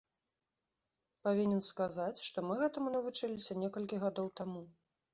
Павінен сказаць, што мы гэтаму навучыліся некалькі гадоў таму.